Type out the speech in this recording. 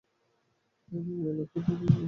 তাই এই এলাকায় বিদ্যুৎ সরবরাহ করা জরুরি।